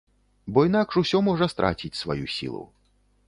Бо інакш усё можа страціць сваю сілу.